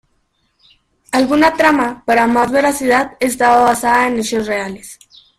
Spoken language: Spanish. Alguna trama, para más veracidad, estaba basada en hechos reales.